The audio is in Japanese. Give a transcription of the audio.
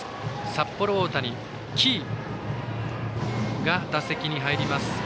札幌大谷、喜井が打席に入ります。